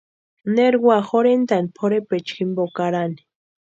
Neri úa jorhentani pʼorhepecha jimpo karani.